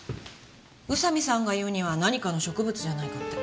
宇佐見さんが言うには何かの植物じゃないかって。